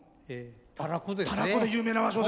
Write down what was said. たらこですかね。